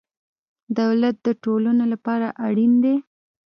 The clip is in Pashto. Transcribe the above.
دولت د ټولنو لپاره اړین دی.